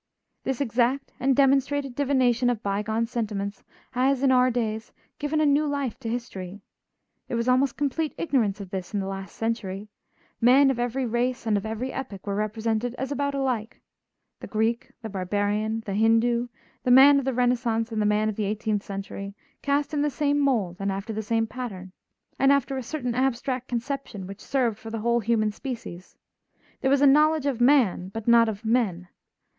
This exact and demonstrated divination of bygone sentiments has, in our days, given a new life to history. There was almost complete ignorance of this in the last century; men of every race and of every epoch were represented as about alike, the Greek, the barbarian, the Hindoo, the man of the Renaissance and the man of the eighteenth century, cast in the same mold and after the same pattern, and after a certain abstract conception which served for the whole human species. There was a knowledge of man but not of men.